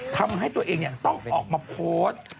ทำให้ตัวเองต้องออกมาโพสต์